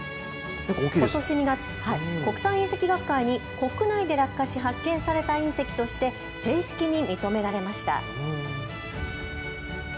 ことし２月、国際隕石学会に国内で落下し発見された隕石として正式に認められました。